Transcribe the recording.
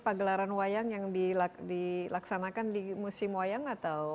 pegelaran wayang yang dilaksanakan di musium wayang atau